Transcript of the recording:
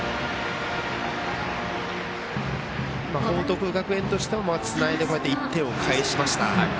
報徳学園としてはつないで、１点を返しました。